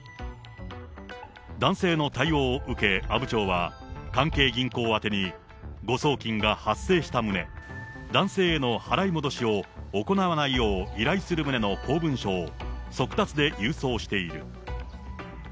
男性の対応を受け、阿武町は、関係銀行宛てに誤送金が発生した旨、男性への払い戻しを行わないよう依頼する旨の公文書を、速達で郵送している。